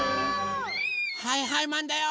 はいはいマンだよ！